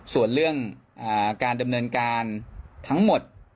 ส่วนเรื่องการดำเนินการทั้งหมด